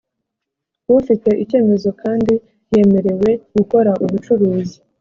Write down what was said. ufite icyemezo kandi yemerewe gukora ubucuruzi